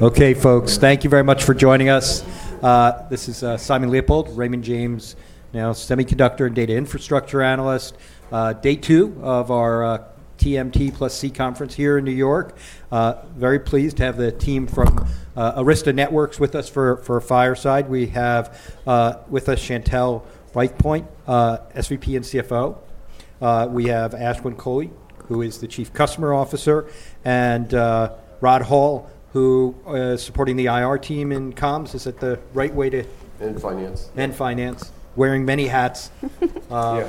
Okay, folks, thank you very much for joining us. This is Simon Leopold, Raymond James, our Semiconductor and Data Infrastructure Analyst. Day two of our TMT+C conference here in New York. Very pleased to have the team from Arista Networks with us for fireside. We have with us Chantelle Breithaupt, SVP and CFO. We have Ashwin Kohli, who is the Chief Customer Officer, and Rod Hall, who is supporting the IR team in comms. Is that the right way to... And finance. And finance, wearing many hats. Yeah.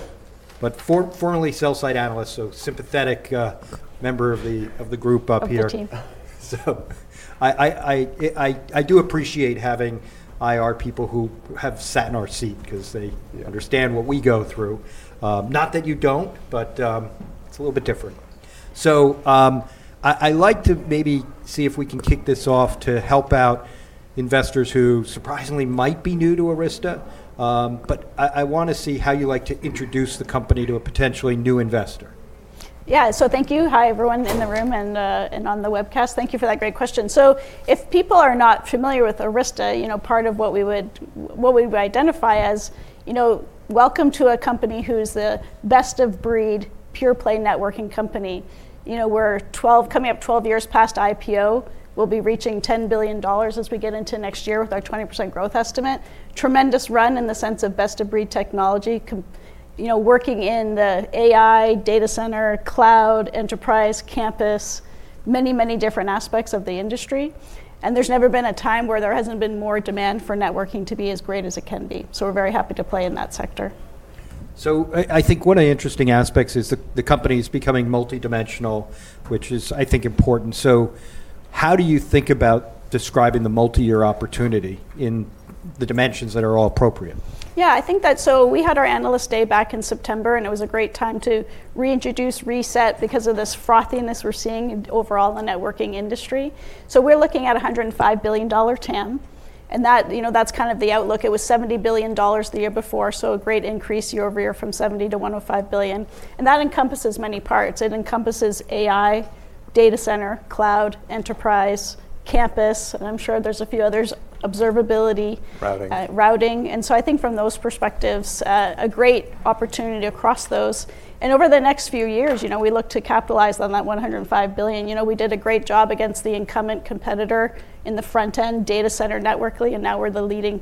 But formerly sell-side analyst, so sympathetic member of the group up here. Our team. I do appreciate having IR people who have sat in our seat because they understand what we go through. Not that you don't, but it's a little bit different. I'd like to maybe see if we can kick this off to help out investors who surprisingly might be new to Arista. I want to see how you like to introduce the company to a potentially new investor. Yeah, so thank you. Hi, everyone in the room and on the webcast. Thank you for that great question. So if people are not familiar with Arista, part of what we would identify as, welcome to a company who's the best of breed, pure-play networking company. We're coming up 12 years past IPO. We'll be reaching $10 billion as we get into next year with our 20% growth estimate. Tremendous run in the sense of best of breed technology, working in the AI, data center, cloud, enterprise, campus, many, many different aspects of the industry. And there's never been a time where there hasn't been more demand for networking to be as great as it can be. So we're very happy to play in that sector. So I think one of the interesting aspects is the company is becoming multidimensional, which is, I think, important. So how do you think about describing the multi-year opportunity in the dimensions that are all appropriate? Yeah, I think that so we had our Analyst Day back in September, and it was a great time to reintroduce, reset, because of this frothiness we're seeing overall in the networking industry, so we're looking at a $105 billion TAM, and that's kind of the outlook. It was $70 billion the year before, so a great increase year-over-year from 70 to 105 billion, and that encompasses many parts. It encompasses AI, data center, cloud, enterprise, campus, and I'm sure there's a few others, observability. Routing. Routing, and so I think from those perspectives, a great opportunity across those, and over the next few years, we look to capitalize on that $105 billion. We did a great job against the incumbent competitor in the front end, data center, networking, and now we're the leading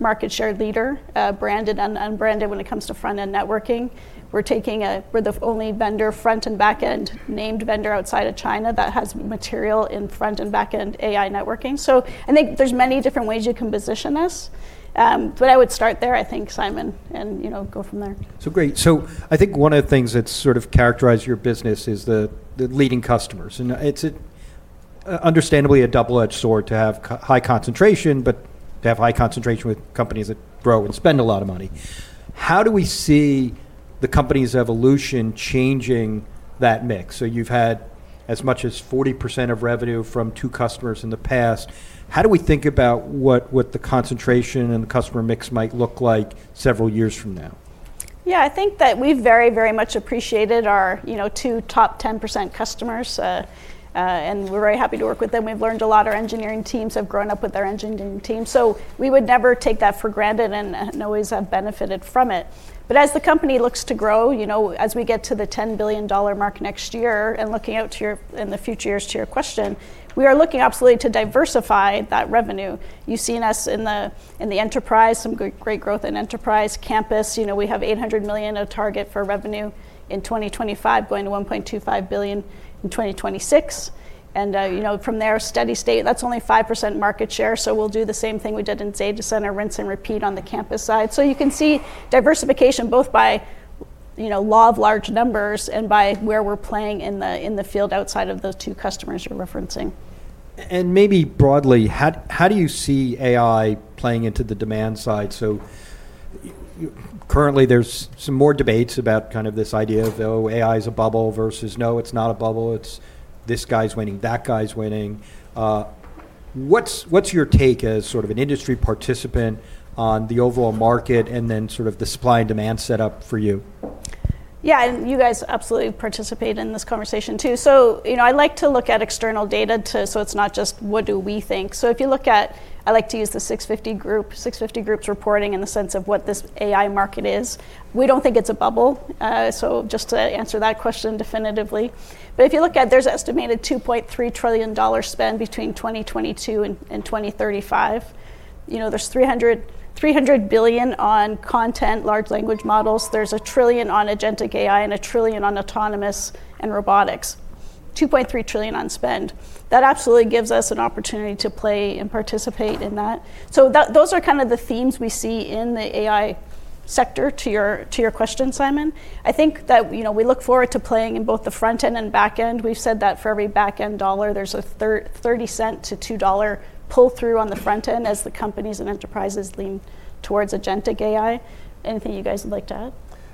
market share leader, branded and unbranded when it comes to front end networking. We're the only vendor, front and back end, named vendor outside of China that has material in front and back end AI networking. So I think there's many different ways you can position this, but I would start there, I think, Simon, and go from there. Great. I think one of the things that sort of characterizes your business is the leading customers. It's understandably a double-edged sword to have high concentration, but to have high concentration with companies that grow and spend a lot of money. How do we see the company's evolution changing that mix? You've had as much as 40% of revenue from two customers in the past. How do we think about what the concentration and the customer mix might look like several years from now? Yeah, I think that we've very, very much appreciated our two top 10% customers, and we're very happy to work with them. We've learned a lot. Our engineering teams have grown up with their engineering team. So we would never take that for granted and always have benefited from it. But as the company looks to grow, as we get to the $10 billion mark next year, and looking out to the future years to your question, we are looking absolutely to diversify that revenue. You've seen us in the enterprise, some great growth in enterprise. Campus, we have a $800 million target for revenue in 2025, going to $1.25 billion in 2026. And from there, steady state, that's only 5% market share. So we'll do the same thing we did in data center, rinse and repeat on the campus side. So you can see diversification both by law of large numbers and by where we're playing in the field outside of the two customers you're referencing. And maybe broadly, how do you see AI playing into the demand side? So currently, there's some more debates about kind of this idea of, oh, AI is a bubble versus, no, it's not a bubble. It's this guy's winning, that guy's winning. What's your take as sort of an industry participant on the overall market and then sort of the supply and demand setup for you? Yeah, and you guys absolutely participate in this conversation too. So I like to look at external data so it's not just what do we think. So if you look at, I like to use the 650 Group's reporting in the sense of what this AI market is. We don't think it's a bubble. So just to answer that question definitively. But if you look at, there's an estimated $2.3 trillion spend between 2022 and 2035. There's $300 billion on content, large language models. There's a trillion on Agentic AI and a trillion on autonomous and robotics. $2.3 trillion on spend. That absolutely gives us an opportunity to play and participate in that. So those are kind of the themes we see in the AI sector to your question, Simon. I think that we look forward to playing in both the front end and back end. We've said that for every back end dollar, there's a $0.30-$2 pull-through on the front end as the companies and enterprises lean towards Agentic AI. Anything you guys would like to add?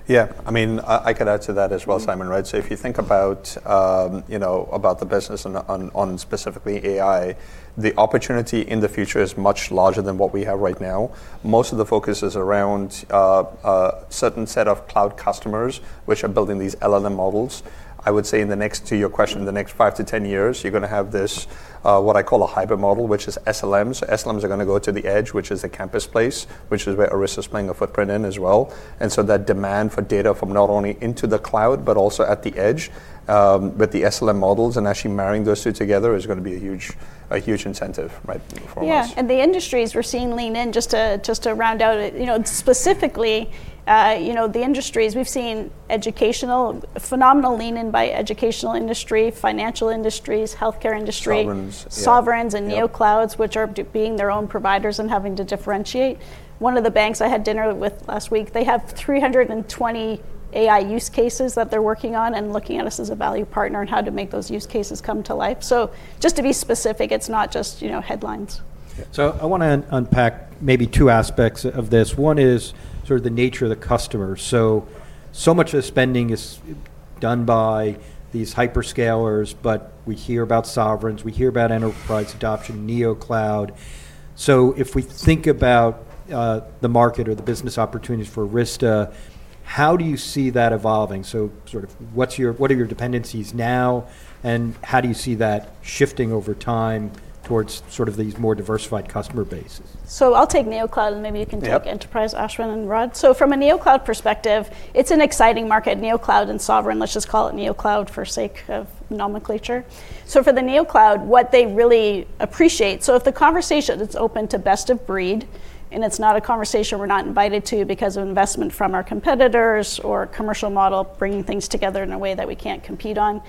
Yeah, I mean, I could add to that as well, Simon, right? So if you think about the business on specifically AI, the opportunity in the future is much larger than what we have right now. Most of the focus is around a certain set of cloud customers, which are building these LLM models. I would say in the next to your question, in the next 5-10 years, you're going to have this, what I call a hybrid model, which is SLMs. SLMs are going to go to the edge, which is a campus place, which is where Arista's playing a footprint in as well. And so that demand for data from not only into the Cloud, but also at the edge with the SLM models and actually marrying those two together is going to be a huge incentive moving forward. Yeah, and the industries we're seeing lean in, just to round out specifically, the industries, we've seen educational, phenomenal lean-in by educational industry, financial industries, healthcare industry. Sovereigns. Sovereigns and neoclouds, which are being their own providers and having to differentiate. One of the banks I had dinner with last week, they have 320 AI use cases that they're working on and looking at us as a value partner and how to make those use cases come to life. So just to be specific, it's not just headlines. So, I want to unpack maybe two aspects of this. One is sort of the nature of the customer. So much of the spending is done by these hyperscalers, but we hear about sovereigns, we hear about enterprise adoption, neocloud. So if we think about the market or the business opportunities for Arista, how do you see that evolving? So sort of what are your dependencies now, and how do you see that shifting over time towards sort of these more diversified customer bases? I'll take Neocloud, and maybe you can take enterprise, Ashwin, and Rod. From a neocloud perspective, it's an exciting market. Neocloud and sovereign, let's just call it neocloud for sake of nomenclature. For the neocloud, what they really appreciate is if the conversation is open to best of breed, and it's not a conversation we're not invited to because of investment from our competitors or commercial model bringing things together in a way that we can't compete on.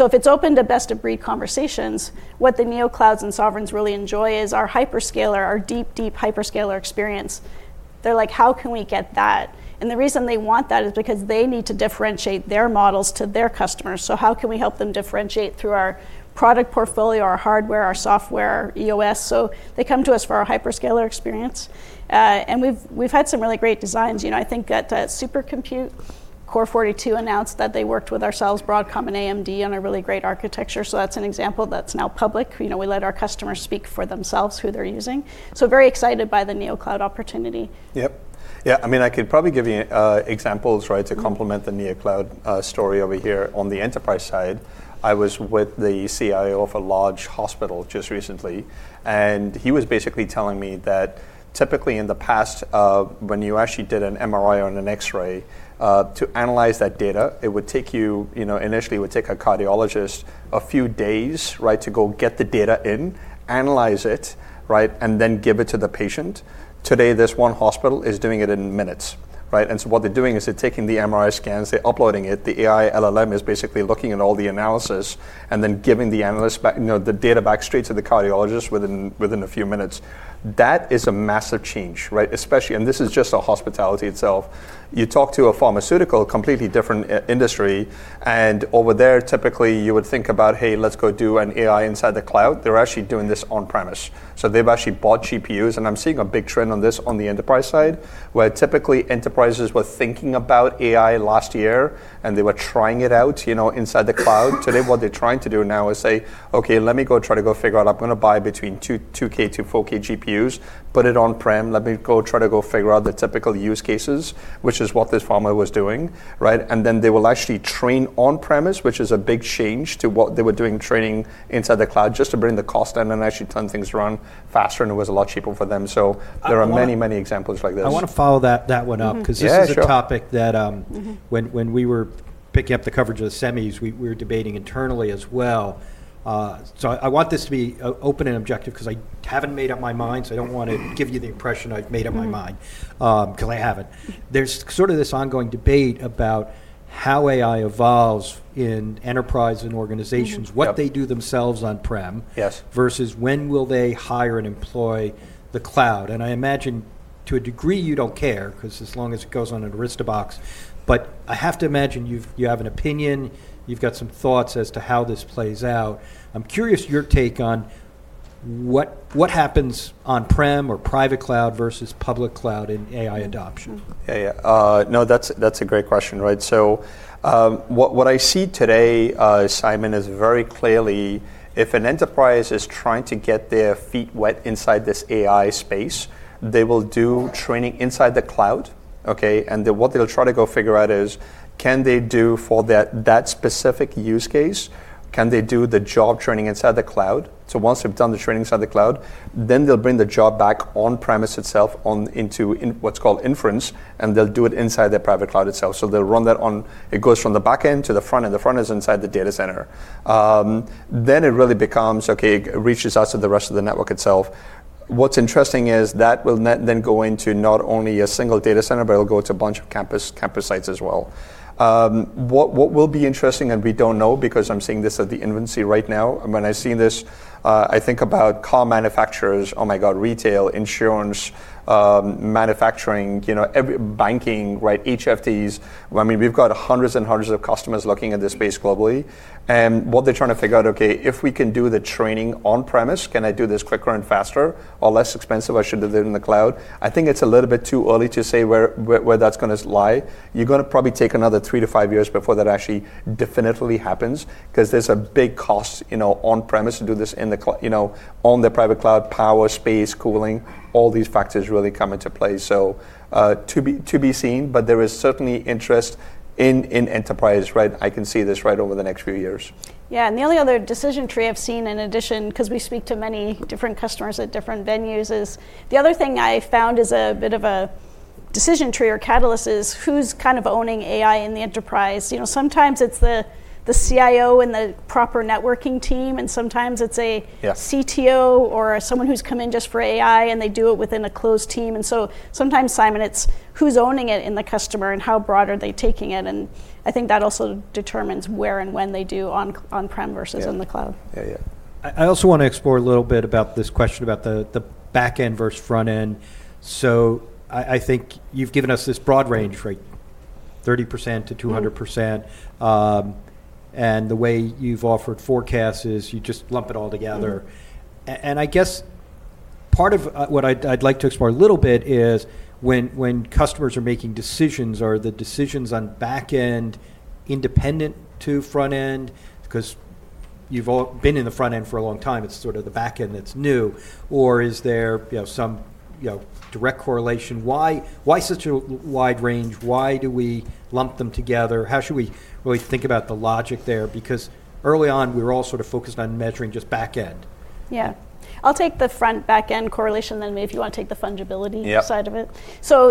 If it's open to best of breed conversations, what the neoclouds and sovereigns really enjoy is our hyperscaler, our deep, deep hyperscaler experience. They're like, how can we get that? The reason they want that is because they need to differentiate their models to their customers. How can we help them differentiate through our product portfolio, our hardware, our software, our EOS? They come to us for our hyperscaler experience. We have had some really great designs. I think at Supercomputing, Core42 announced that they worked with our sales, Broadcom and AMD on a really great architecture. That is an example that is now public. We let our customers speak for themselves, who they are using. We are very excited by the neocloud opportunity. Yep. Yeah, I mean, I could probably give you examples to complement the neocloud story over here. On the enterprise side, I was with the CIO of a large hospital just recently, and he was basically telling me that typically in the past, when you actually did an MRI or an X-ray, to analyze that data, it would take you initially, it would take a cardiologist a few days to go get the data in, analyze it, and then give it to the patient. Today, this one hospital is doing it in minutes. And so what they're doing is they're taking the MRI scans, they're uploading it, the AI LLM is basically looking at all the analysis and then giving the analyst the data back straight to the cardiologist within a few minutes. That is a massive change, especially, and this is just healthcare itself. You talk to a pharmaceutical, completely different industry, and over there, typically, you would think about, hey, let's go do an AI inside the Cloud. They're actually doing this on-premise. So they've actually bought GPUs, and I'm seeing a big trend on this on the enterprise side, where typically enterprises were thinking about AI last year, and they were trying it out inside the Cloud. Today, what they're trying to do now is say, okay, let me go try to go figure out, I'm going to buy between 2K to 4K GPUs, put it on-prem, let me go try to go figure out the typical use cases, which is what this farmer was doing. And then they will actually train on-premise, which is a big change to what they were doing training inside the Cloud just to bring the cost down and actually turn things around faster, and it was a lot cheaper for them. So there are many, many examples like this. I want to follow that one up because this is a topic that when we were picking up the coverage of the semis, we were debating internally as well, so I want this to be open and objective because I haven't made up my mind, so I don't want to give you the impression I've made up my mind because I haven't. There's sort of this ongoing debate about how AI evolves in enterprise and organizations, what they do themselves on-prem versus when will they hire and employ the Cloud, and I imagine to a degree you don't care because as long as it goes on an Arista box, but I have to imagine you have an opinion, you've got some thoughts as to how this plays out. I'm curious your take on what happens on-prem or private cloud versus public cloud in AI adoption. Yeah, yeah. No, that's a great question, so what I see today, Simon, is very clearly if an enterprise is trying to get their feet wet inside this AI space, they will do training inside the Cloud. And what they'll try to go figure out is, can they do for that specific use case, can they do the job training inside the Cloud? So once they've done the training inside the Cloud, then they'll bring the job back on-premise itself into what's called inference, and they'll do it inside their private cloud itself. So they'll run that on it goes from the back end to the front, and the front end is inside the data center, then it really becomes, okay, it reaches out to the rest of the network itself. What's interesting is that will then go into not only a single data center, but it'll go to a bunch of campus sites as well. What will be interesting, and we don't know because I'm seeing this at the infancy right now. When I see this, I think about car manufacturers, oh my God, retail, insurance, manufacturing, banking, HFTs. I mean, we've got hundreds and hundreds of customers looking at this space globally. And what they're trying to figure out, okay, if we can do the training on-premise, can I do this quicker and faster or less expensive? I should do it in the cloud. I think it's a little bit too early to say where that's going to lie. You're going to probably take another three to five years before that actually definitively happens because there's a big cost on-premise to do this in the private cloud, power, space, cooling, all these factors really come into play. So to be seen, but there is certainly interest in enterprise. I can see this right over the next few years. Yeah, and the only other decision tree I've seen in addition, because we speak to many different customers at different venues, is the other thing I found is a bit of a decision tree or catalyst is who's kind of owning AI in the enterprise. Sometimes it's the CIO and the proper networking team, and sometimes it's a CTO or someone who's come in just for AI, and they do it within a closed team. And so sometimes, Simon, it's who's owning it in the customer and how broad are they taking it. And I think that also determines where and when they do on-prem versus in the cloud. Yeah, yeah. I also want to explore a little bit about this question about the back end versus front end. So I think you've given us this broad range, 30%-200%. And the way you've offered forecasts, you just lump it all together. And I guess part of what I'd like to explore a little bit is when customers are making decisions, are the decisions on back end independent to front end? Because you've been in the front end for a long time, it's sort of the back end that's new. Or is there some direct correlation? Why such a wide range? Why do we lump them together? How should we really think about the logic there? Because early on, we were all sort of focused on measuring just back end. Yeah. I'll take the front-end back-end correlation, then maybe if you want to take the fungibility side of it. So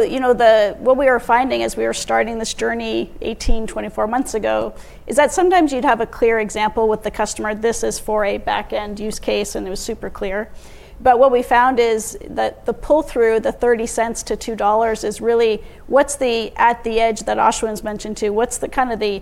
what we are finding as we are starting this journey 18, 24 months ago is that sometimes you'd have a clear example with the customer. This is for a back-end use case, and it was super clear. But what we found is that the pull-through, the $0.30-$2 is really what's at the edge that Ashwin's mentioned too, what's the kind of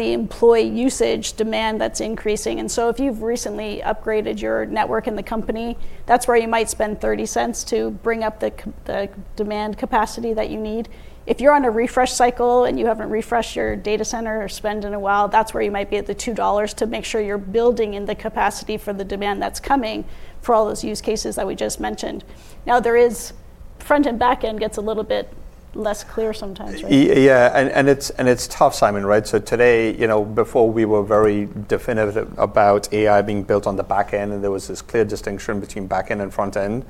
employee usage demand that's increasing. And so if you've recently upgraded your network in the company, that's where you might spend $0.30 to bring up the demand capacity that you need. If you're on a refresh cycle and you haven't refreshed your data center or spend in a while, that's where you might be at the $2 to make sure you're building in the capacity for the demand that's coming for all those use cases that we just mentioned. Now, there is front and back end gets a little bit less clear sometimes. Yeah, and it's tough, Simon. So today, before we were very definitive about AI being built on the back end, and there was this clear distinction between back end and front end,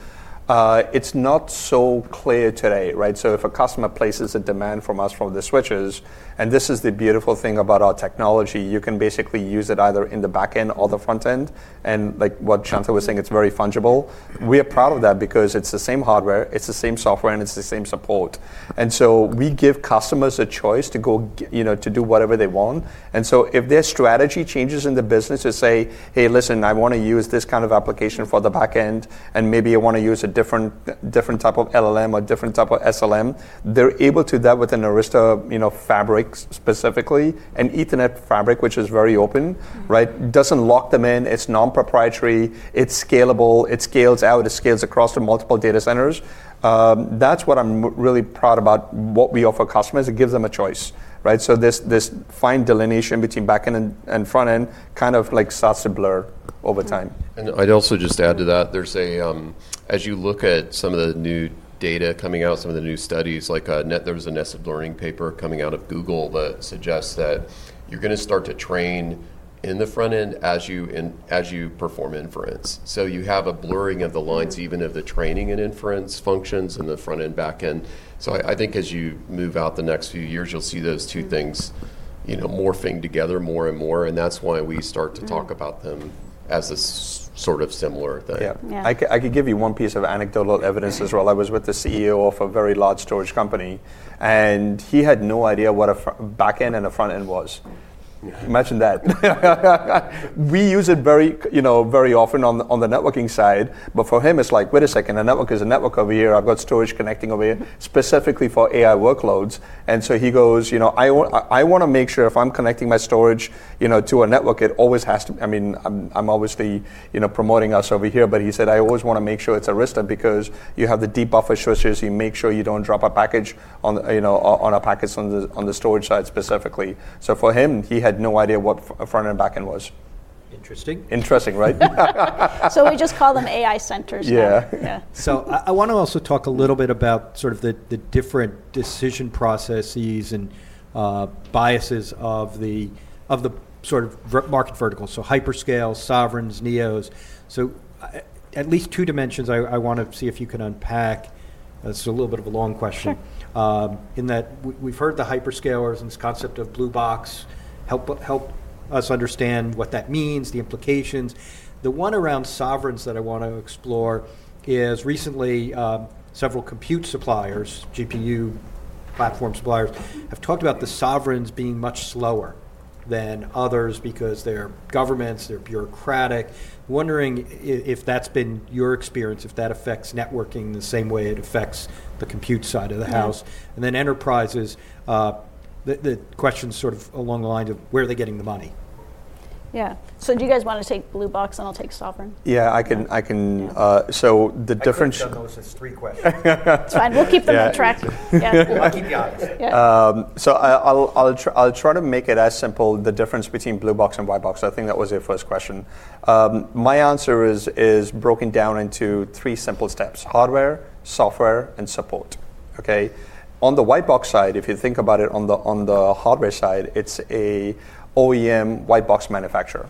it's not so clear today. So if a customer places a demand from us for the switches, and this is the beautiful thing about our technology, you can basically use it either in the back end or the front end. And what Chantelle was saying, it's very fungible. We are proud of that because it's the same hardware, it's the same software, and it's the same support. And so we give customers a choice to go to do whatever they want. And so if their strategy changes in the business to say, hey, listen, I want to use this kind of application for the back end, and maybe I want to use a different type of LLM or different type of SLM, they're able to do that with an Arista fabric specifically, an Ethernet fabric, which is very open, doesn't lock them in, it's non-proprietary, it's scalable, it scales out, it scales across to multiple data centers. That's what I'm really proud about what we offer customers. It gives them a choice. So this fine delineation between back end and front end kind of starts to blur over time. I'd also just add to that, as you look at some of the new data coming out, some of the new studies. There was a Nested Learning paper coming out of Google that suggests that you're going to start to train in the front end as you perform inference. So you have a blurring of the lines, even of the training and inference functions in the front end, back end. So I think as you move out the next few years, you'll see those two things morphing together more and more. And that's why we start to talk about them as a sort of similar thing. Yeah. I could give you one piece of anecdotal evidence as well. I was with the CEO of a very large storage company, and he had no idea what a back end and a front end was. Imagine that. We use it very often on the networking side, but for him, it's like, wait a second, a network is a network over here. I've got storage connecting over here specifically for AI workloads. And so he goes, I want to make sure if I'm connecting my storage to a network, it always has to, I mean, I'm obviously promoting us over here, but he said, I always want to make sure it's Arista because you have the deep buffer switches, you make sure you don't drop a packet on a packet on the storage side specifically. So for him, he had no idea what front and back end was. Interesting. Interesting, right? So we just call them AI centers. Yeah. So I want to also talk a little bit about sort of the different decision processes and biases of the sort of market verticals. So hyperscalers, sovereigns, neos. So at least two dimensions, I want to see if you can unpack. This is a little bit of a long question. In that we've heard the hyperscalers and this concept of Blue Box, help us understand what that means, the implications. The one around sovereigns that I want to explore is recently several compute suppliers, GPU platform suppliers, have talked about the sovereigns being much slower than others because they're governments, they're bureaucratic. Wondering if that's been your experience, if that affects networking the same way it affects the compute side of the house. And then enterprises, the question is sort of along the lines of where are they getting the money? Yeah. So do you guys want to take Blue Box and I'll take sovereign? Yeah, I can. So the difference. I'm sure that goes to three questions. That's fine. We'll keep them contracted. I'll keep you honest. So I'll try to make it as simple, the difference between Blue Box and White Box. I think that was your first question. My answer is broken down into three simple steps: hardware, software, and support. On the White Box side, if you think about it on the hardware side, it's an OEM White Box manufacturer.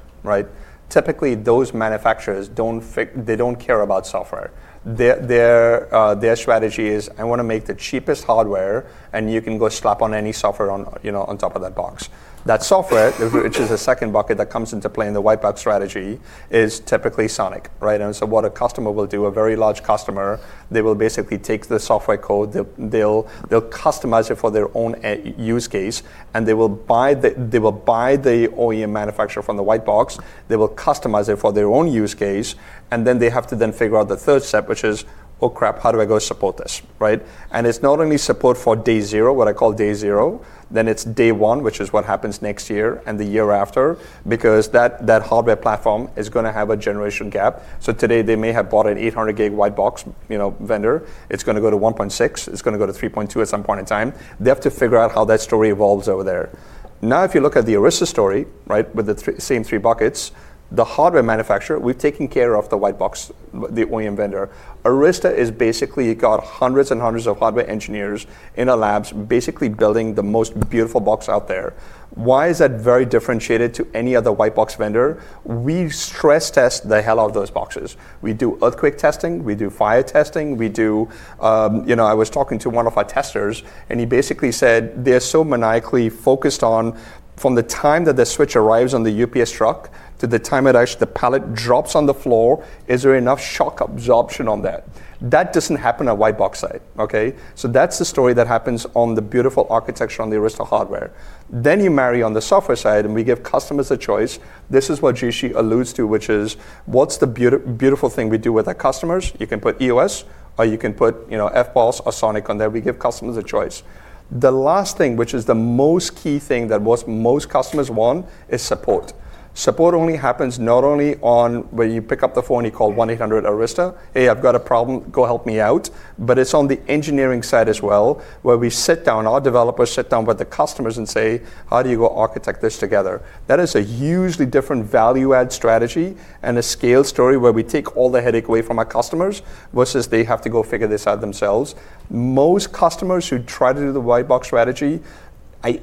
Typically, those manufacturers, they don't care about software. Their strategy is, I want to make the cheapest hardware, and you can go slap on any software on top of that box. That software, which is a second bucket that comes into play in the White Box strategy, is typically SONiC. And so what a customer will do, a very large customer, they will basically take the software code, they'll customize it for their own use case, and they will buy the OEM manufacturer from the White Box, they will customize it for their own use case, and then they have to then figure out the third step, which is, oh crap, how do I go support this? And it's not only support for day zero, what I call day zero, then it's day one, which is what happens next year and the year after, because that hardware platform is going to have a generation gap. So today, they may have bought an 800 Gb White Box vendor. It's going to go to 1.6, it's going to go to 3.2 at some point in time. They have to figure out how that story evolves over there. Now, if you look at the Arista story with the same three buckets, the hardware manufacturer, we've taken care of the White Box, the OEM vendor. Arista is basically got hundreds and hundreds of hardware engineers in our labs basically building the most beautiful box out there. Why is that very differentiated to any other White Box vendor? We stress test the hell out of those boxes. We do earthquake testing, we do fire testing. I was talking to one of our testers, and he basically said, they're so maniacally focused on from the time that the switch arrives on the UPS truck to the time that the pallet drops on the floor, is there enough shock absorption on that? That doesn't happen on White Box side. So that's the story that happens on the beautiful architecture on the Arista hardware. Then you marry on the software side, and we give customers a choice. This is what Jayshree alludes to, which is what's the beautiful thing we do with our customers? You can put EOS, or you can put FBOSS or SONiC on there. We give customers a choice. The last thing, which is the most key thing that most customers want, is support. Support only happens not only on where you pick up the phone and you call 1-800-Arista, hey, I've got a problem, go help me out, but it's on the engineering side as well, where we sit down, our developers sit down with the customers and say, how do you go architect this together? That is a hugely different value-add strategy and a scale story where we take all the headache away from our customers versus they have to go figure this out themselves. Most customers who try to do the White Box strategy.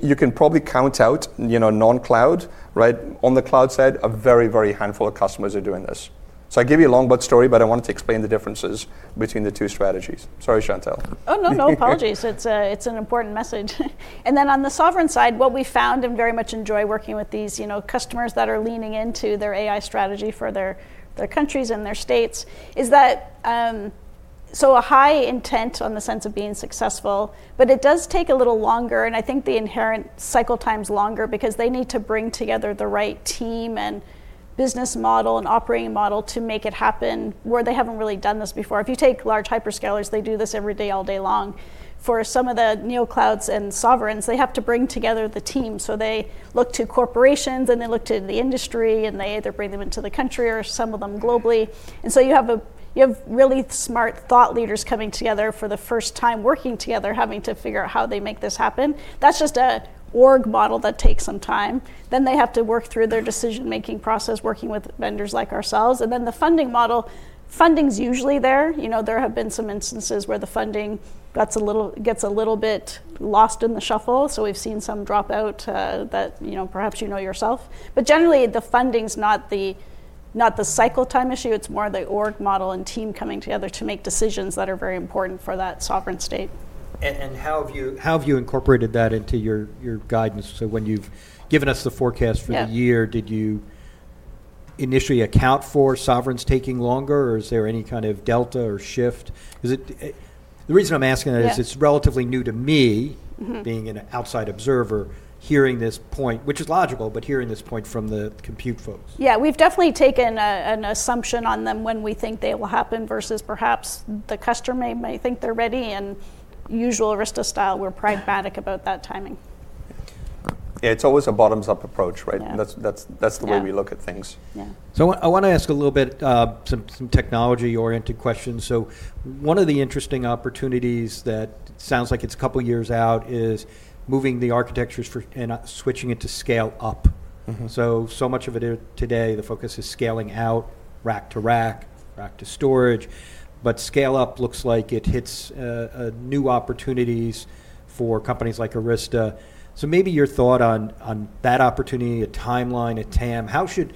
You can probably count out non-cloud. On the Cloud side, a very, very small handful of customers are doing this. So I gave you a long, but short story, but I wanted to explain the differences between the two strategies. Sorry, Chantelle. Oh, no, no apologies. It's an important message and then on the sovereign side, what we found and very much enjoy working with these customers that are leaning into their AI strategy for their countries and their states is that so a high intent on the sense of being successful, but it does take a little longer and I think the inherent cycle time is longer because they need to bring together the right team and business model and operating model to make it happen where they haven't really done this before. If you take large hyperscalers, they do this every day, all day long. For some of the neoclouds and sovereigns, they have to bring together the team so they look to corporations, and they look to the industry, and they either bring them into the country or some of them globally. And so you have really smart thought leaders coming together for the first time working together, having to figure out how they make this happen. That's just an org model that takes some time. Then they have to work through their decision-making process, working with vendors like ourselves. And then the funding model, funding's usually there. There have been some instances where the funding gets a little bit lost in the shuffle. So we've seen some dropout that perhaps you know yourself. But generally, the funding's not the cycle time issue. It's more the org model and team coming together to make decisions that are very important for that sovereign state. And how have you incorporated that into your guidance? So when you've given us the forecast for the year, did you initially account for sovereigns taking longer, or is there any kind of delta or shift? The reason I'm asking that is it's relatively new to me being an outside observer hearing this point, which is logical, but hearing this point from the compute folks. Yeah, we've definitely taken an assumption on them when we think they will happen versus perhaps the customer may think they're ready. And usual Arista style, we're pragmatic about that timing. It's always a bottoms-up approach. That's the way we look at things. I want to ask a little bit some technology-oriented questions. One of the interesting opportunities that sounds like it's a couple of years out is moving the architectures and switching it to scale up. Much of it today, the focus is scaling out rack to rack, rack to storage. But scale up looks like it hits new opportunities for companies like Arista. Maybe your thought on that opportunity, a timeline, a TAM, how should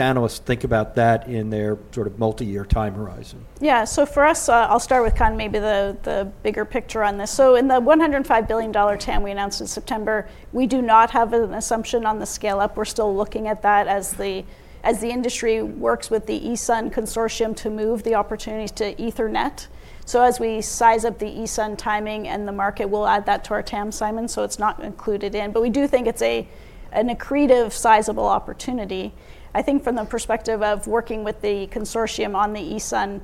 analysts think about that in their sort of multi-year time horizon? Yeah, so for us, I'll start with kind of maybe the bigger picture on this. So in the $105 billion TAM we announced in September, we do not have an assumption on the scale up. We're still looking at that as the industry works with the ESUN consortium to move the opportunities to Ethernet. So as we size up the ESUN timing and the market, we'll add that to our TAM, Simon, so it's not included in. But we do think it's an accretive sizable opportunity. I think from the perspective of working with the consortium on the ESUN,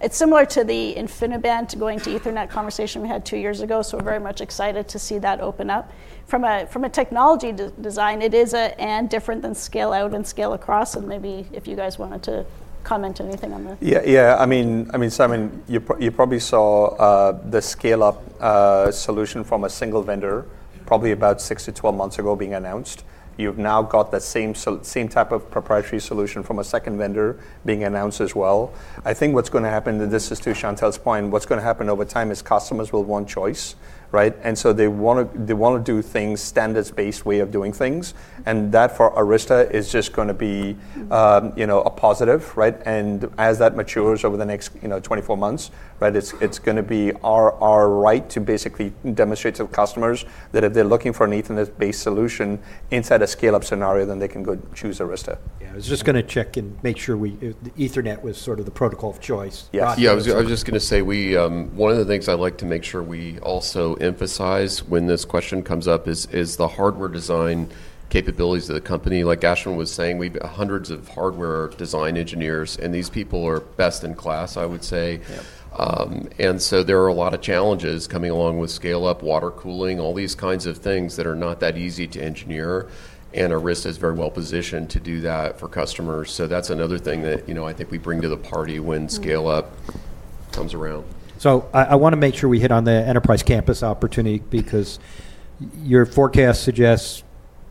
it's similar to the InfiniBand to going to Ethernet conversation we had two years ago. So we're very much excited to see that open up. From a technology design, it is an and different than scale out and scale across. And maybe if you guys wanted to comment anything on that. Yeah, I mean, Simon, you probably saw the scale-up solution from a single vendor probably about 6-12 months ago being announced. You've now got the same type of proprietary solution from a second vendor being announced as well. I think what's going to happen, and this is to Chantelle's point, what's going to happen over time is customers will want choice. And so they want to do things standards-based way of doing things. And that for Arista is just going to be a positive. And as that matures over the next 24 months, it's going to be our right to basically demonstrate to customers that if they're looking for an Ethernet-based solution inside a scale-up scenario, then they can go choose Arista. Yeah, I was just going to check and make sure Ethernet was sort of the protocol of choice. Yeah, I was just going to say one of the things I'd like to make sure we also emphasize when this question comes up is the hardware design capabilities of the company. Like Ashwin was saying, we have hundreds of hardware design engineers, and these people are best in class, I would say, and so there are a lot of challenges coming along with scale-up, water cooling, all these kinds of things that are not that easy to engineer, and Arista is very well positioned to do that for customers, so that's another thing that I think we bring to the party when scale-up comes around. So, I want to make sure we hit on the enterprise campus opportunity because your forecast suggests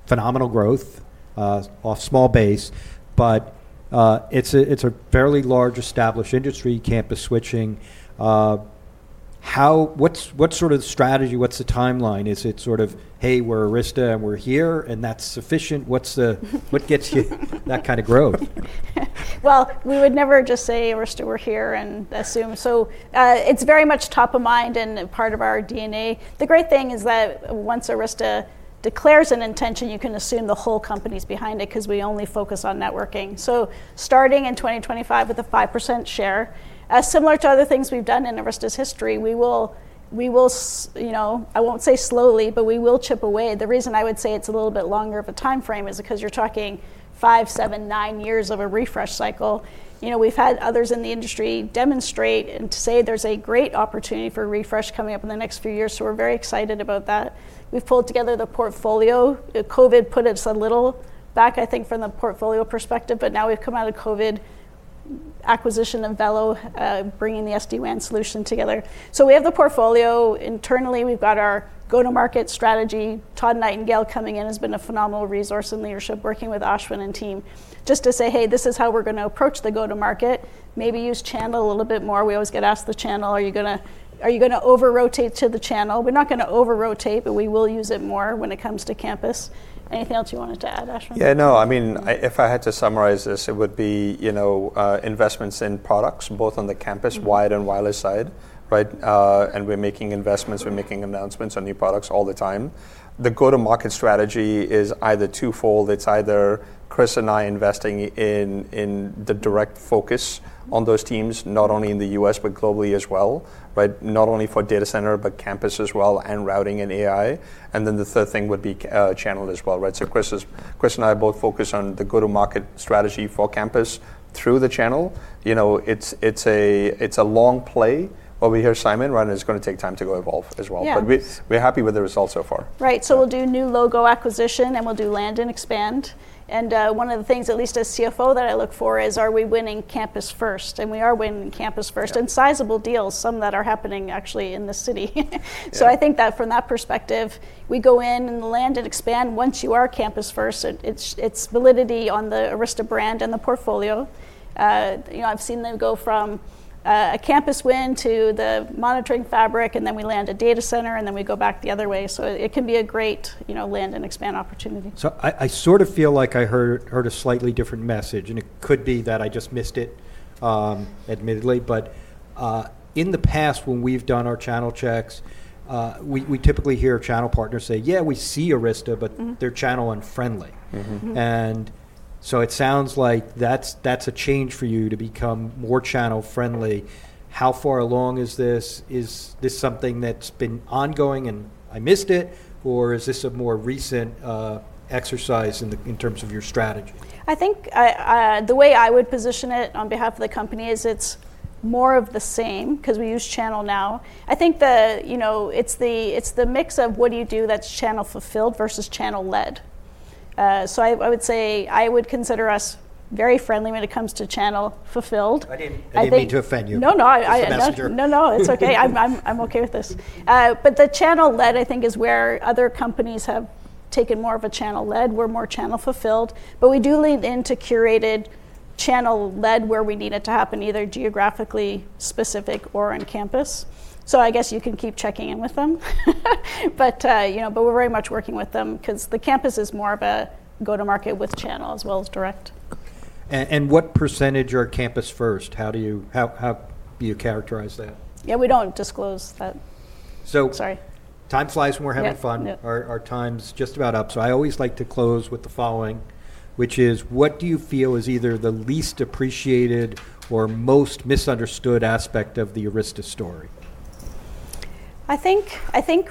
phenomenal growth off small base, but it's a fairly large established industry campus switching. What sort of strategy? What's the timeline? Is it sort of, hey, we're Arista and we're here and that's sufficient? What gets you that kind of growth? We would never just say Arista we're here and assume. It's very much top of mind and part of our DNA. The great thing is that once Arista declares an intention, you can assume the whole company's behind it because we only focus on networking. Starting in 2025 with a 5% share, similar to other things we've done in Arista's history, we will, I won't say slowly, but we will chip away. The reason I would say it's a little bit longer of a timeframe is because you're talking five, seven, nine years of a refresh cycle. We've had others in the industry demonstrate and say there's a great opportunity for refresh coming up in the next few years. We're very excited about that. We've pulled together the portfolio. COVID put us a little back, I think, from the portfolio perspective, but now we've come out of COVID, acquisition of VeloCloud, bringing the SD-WAN solution together. So we have the portfolio internally. We've got our go-to-market strategy. Todd Nightingale coming in has been a phenomenal resource in leadership, working with Ashwin and team just to say, hey, this is how we're going to approach the go-to-market. Maybe use channel a little bit more. We always get asked the channel, are you going to over-rotate to the channel? We're not going to over-rotate, but we will use it more when it comes to campus. Anything else you wanted to add, Ashwin? Yeah, no, I mean, if I had to summarize this, it would be investments in products, both on the campus-wide and wireless side. And we're making investments, we're making announcements on new products all the time. The go-to-market strategy is either twofold. It's either Chris and I investing in the direct focus on those teams, not only in the U.S., but globally as well. Not only for data center, but campus as well and routing and AI. And then the third thing would be channel as well. So Chris and I both focus on the go-to-market strategy for campus through the channel. It's a long play over here, Simon, and it's going to take time to go evolve as well. But we're happy with the results so far. Right, so we'll do new logo acquisition, and we'll do land and expand. And one of the things, at least as CFO, that I look for is, are we winning campus first? And we are winning campus first and sizable deals, some that are happening actually in the city. So I think that from that perspective, we go in and land and expand. Once you are campus first, it's validity on the Arista brand and the portfolio. I've seen them go from a campus win to the monitoring fabric, and then we land a data center, and then we go back the other way. So it can be a great land and expand opportunity. So I sort of feel like I heard a slightly different message, and it could be that I just missed it, admittedly. But in the past, when we've done our channel checks, we typically hear channel partners say, yeah, we see Arista, but they're channel unfriendly. And so it sounds like that's a change for you to become more channel friendly. How far along is this? Is this something that's been ongoing and I missed it, or is this a more recent exercise in terms of your strategy? I think the way I would position it on behalf of the company is it's more of the same because we use channel now. I think it's the mix of what do you do that's channel fulfilled versus channel led. So I would say I would consider us very friendly when it comes to channel fulfilled. I didn't mean to offend you. No, no. No, no, it's okay. I'm okay with this. But the channel led, I think, is where other companies have taken more of a channel led. We're more channel fulfilled. But we do lean into curated channel led where we need it to happen either geographically specific or on campus. So I guess you can keep checking in with them. But we're very much working with them because the campus is more of a go-to-market with channel as well as direct. What percentage are campus first? How do you characterize that? Yeah, we don't disclose that. Sorry. Time flies when we're having fun. Our time's just about up. So I always like to close with the following, which is, what do you feel is either the least appreciated or most misunderstood aspect of the Arista story? I think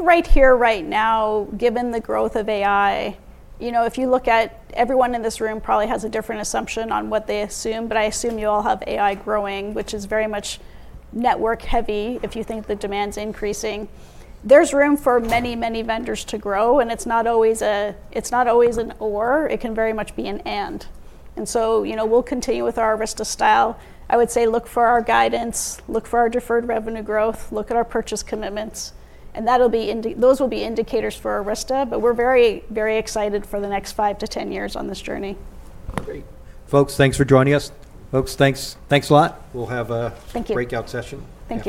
right here, right now, given the growth of AI, if you look at everyone in this room probably has a different assumption on what they assume, but I assume you all have AI growing, which is very much network heavy if you think the demand's increasing. There's room for many, many vendors to grow, and it's not always an or, it can very much be an and, and so we'll continue with our Arista style. I would say look for our guidance, look for our deferred revenue growth, look at our purchase commitments, and those will be indicators for Arista, but we're very, very excited for the next 5-10 years on this journey. Great. Folks, thanks for joining us. Folks, thanks a lot. We'll have a breakout session. Thank you.